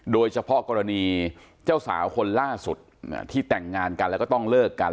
โดยเฉพาะกรณีเจ้าสาวคนล่าสุดที่แต่งงานกันแล้วก็ต้องเลิกกัน